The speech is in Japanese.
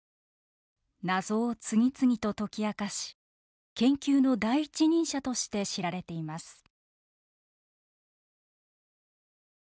謎を次々と解き明かし研究の第一人者として知られています。